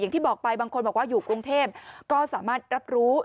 อย่างที่บอกไปบางคนบอกว่าอยู่กรุงเทพก็สามารถรับรู้